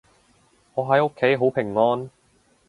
我喺屋企好平安